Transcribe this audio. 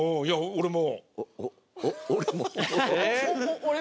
「俺も」？